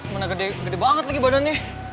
mana gede gede banget lagi badannya